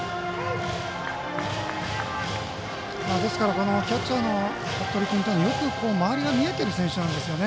このキャッチャーの服部君というのはよく周りが見えている選手なんですよね。